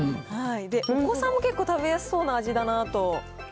お子さんも結構食べやすそうな味だなと。